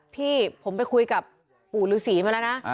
พี่ผมไปคุยกับปู่ฤษีมาแล้วนะ